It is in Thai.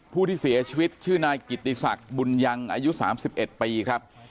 ผู้ที่เสียชีวิตชื่อนายกิติศักดิ์บุญยังอายุ๓๑ปีครับ